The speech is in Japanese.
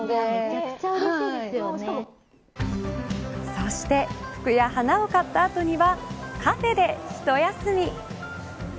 そして服や花を買った後にはカフェで一休み。